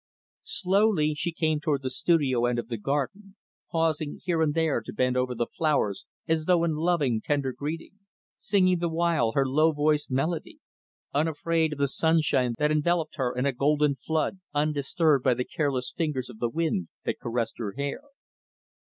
Slowly, she came toward the studio end of the garden; pausing here and there to bend over the flowers as though in loving, tender greeting; singing, the while, her low voiced melody; unafraid of the sunshine that enveloped her in a golden flood, undisturbed by the careless fingers of the wind that caressed her hair.